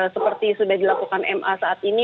seperti sudah dilakukan ma saat ini